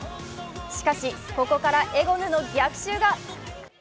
しかし、ここからエゴヌの逆襲が。